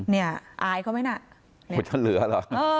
เนี่ยอายเขาไหมนะท่านเหลือเหรอ